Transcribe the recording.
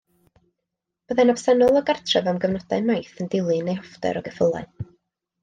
Byddai'n absennol o gartref am gyfnodau maith yn dilyn ei hoffter o geffylau.